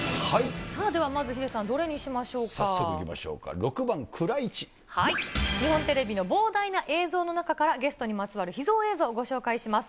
さあ、ではまず、ヒデさん、早速いきましょうか、日本テレビの膨大な映像の中から、ゲストにまつわる秘蔵映像をご紹介します。